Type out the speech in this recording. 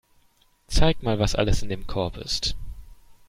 Zeig mal, was alles in dem Korb ist.